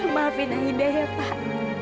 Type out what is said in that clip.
maafin aida ya pak